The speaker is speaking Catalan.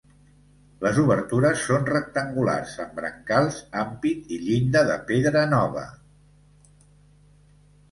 Les obertures són rectangulars amb brancals, ampit i llinda de pedra nova.